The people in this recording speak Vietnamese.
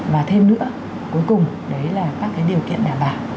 và thêm nữa cuối cùng đấy là các cái điều kiện đảm bảo